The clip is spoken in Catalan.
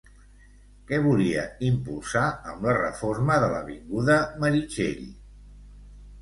Què volia impulsar amb la reforma de l'avinguda Meritxell?